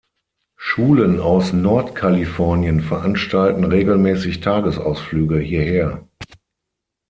Schulen aus Nordkalifornien veranstalten regelmäßig Tagesausflüge hierher.